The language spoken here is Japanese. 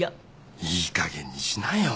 いいかげんにしなよ。